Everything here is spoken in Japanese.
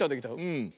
うん。